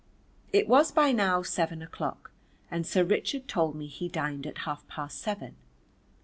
It was by now seven o' clock and Sir Richard told me he dined at half past seven.